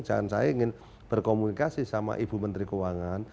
jangan saya ingin berkomunikasi sama ibu menteri keuangan